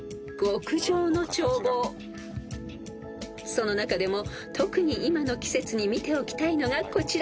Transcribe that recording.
［その中でも特に今の季節に見ておきたいのがこちら］